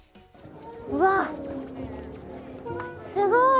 うわ、すごい。